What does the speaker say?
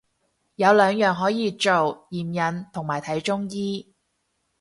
有兩樣可以做，驗孕同埋睇中醫